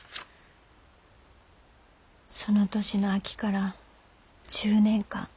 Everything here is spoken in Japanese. その年の秋から１０年間。